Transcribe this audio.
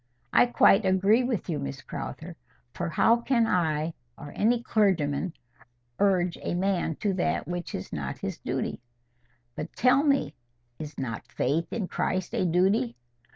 "I quite agree with you, Miss Crowther. For how can I, or any clergyman, urge a man to that which is not his duty? But tell me, is not faith in Christ a duty?